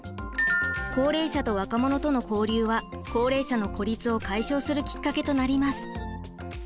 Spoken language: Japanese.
高齢者と若者との交流は高齢者の孤立を解消するきっかけとなります。